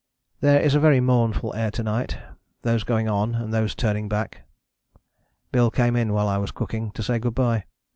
" "There is a very mournful air to night those going on and those turning back. Bill came in while I was cooking, to say good bye.